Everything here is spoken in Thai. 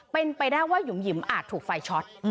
เป็นไปได้ว่าหยุ่มหิมอาจถูกไฟช็อต